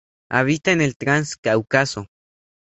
Habita en el Trans-Cáucaso.